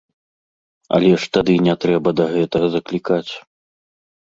Але ж тады не трэба да гэтага заклікаць.